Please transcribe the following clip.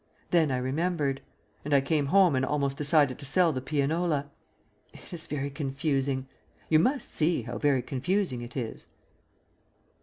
Then I remembered; and I came home and almost decided to sell the pianola. It is very confusing. You must see how very confusing it is.